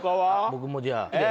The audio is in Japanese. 僕もじゃあ。